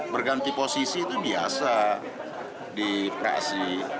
berganti posisi itu biasa di psi